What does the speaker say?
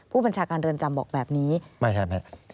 ผู้บัญชาการเรือนจำบอกแบบนี้ไม่ใช่ไม่